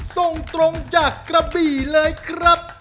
ส่งตรงจากกระบี่เลยครับ